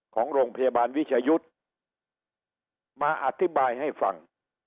ของโรงพยาบาลวิชยุทธ์มาอธิบายให้ฟัง